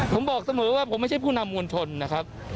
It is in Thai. ผมบอกเสมอว่าผมไม่ใช่ผู้นำมวลชนนะครับ